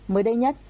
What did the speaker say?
mới đây nhất